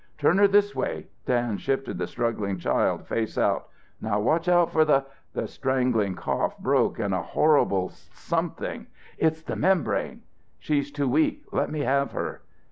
"Turn her this way!" Dan shifted the struggling child, face out. "Now watch out for the " The strangling cough broke and a horrible something "It's the membrane! She's too weak let me have her!"